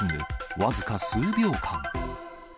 僅か数秒間。